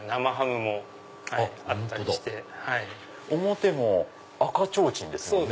表も赤ちょうちんですもんね。